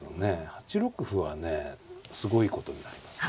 ８六歩はねすごいことになりますね。